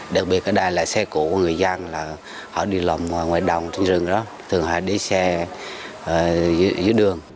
đặc biệt ở đây là xe cũ của người dân họ đi lòng ngoài đồng trên rừng đó thường hãy để xe dưới đường